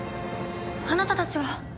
あなたたちは！